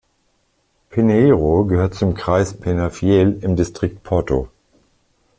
Pinheiro gehört zum Kreis Penafiel im Distrikt Porto.